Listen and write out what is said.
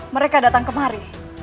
mereka datang kemari